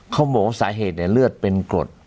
เขาบอกว่าสาเหตุเลือดเป็นกรด